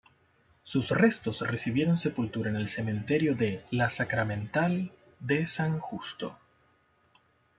Sus restos recibieron sepultura en el cementerio de la Sacramental de San Justo.